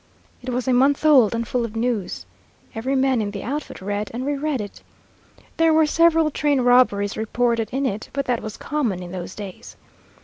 It was a month old and full of news. Every man in the outfit read and reread it. There were several train robberies reported in it, but that was common in those days.